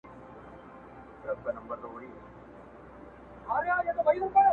جهاني رامعلومېږي د شفق له خوني سترګو!!